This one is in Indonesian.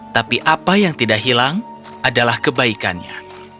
tapi apa yang tidak hilang adalah kebaikannya